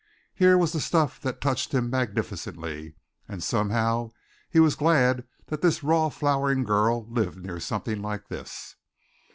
Here was the stuff that touched him magnificently, and somehow he was glad that this raw flowering girl lived near something like this.